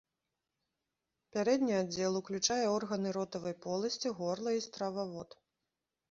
Пярэдні аддзел уключае органы ротавай поласці, горла і стрававод.